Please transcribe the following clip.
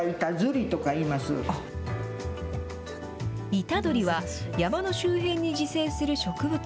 イタドリは、山の周辺に自生する植物。